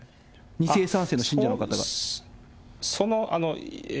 ２世、３世の信者の方が。